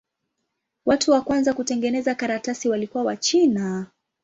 Watu wa kwanza kutengeneza karatasi walikuwa Wachina.